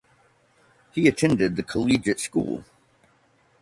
He attended the Collegiate School.